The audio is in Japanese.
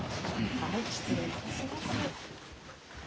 はい失礼いたします。